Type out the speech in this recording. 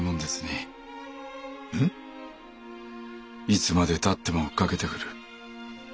いつまでたっても追っかけてくる。